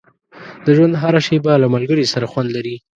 • د ژوند هره شېبه له ملګري سره خوند لري.